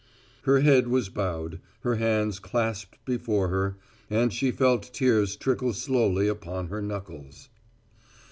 Her head was bowed, her hands clasped before her, and she felt tears trickle slowly upon her knuckles.